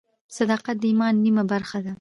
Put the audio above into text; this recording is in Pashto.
صداقت د ایمان نیمه برخه ده.